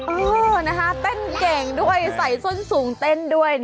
เออนะคะเต้นเก่งด้วยใส่ส้นสูงเต้นด้วย